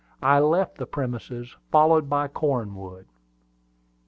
I left the premises, followed by Cornwood.